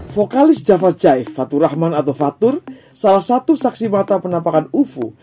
vokalis javajai fatur rahman atau fatur salah satu saksi mata penampakan ufo